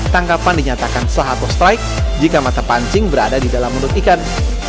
tangkapan dinyatakan sah atau strike jika mata pancing berada di dalam mulut ikan